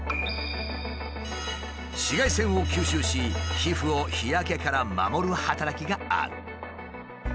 紫外線を吸収し皮膚を日焼けから守る働きがある。